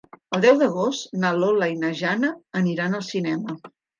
El deu d'agost na Lola i na Jana aniran al cinema.